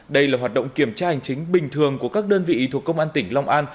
đây là hoạt động kiểm tra hành chính bình thường của các đơn vị thuộc công an tỉnh long an